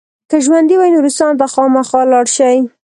که ژوندي وئ نورستان ته خامخا لاړ شئ.